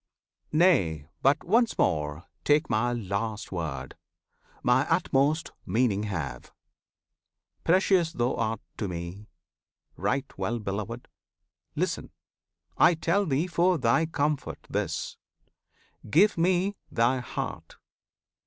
Nay! but once more Take My last word, My utmost meaning have! Precious thou art to Me; right well beloved! Listen! I tell thee for thy comfort this. Give Me thy heart!